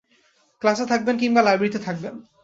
ক্লাসে থাকবেন কিংবা লাইব্রেরিতে থাকবেন।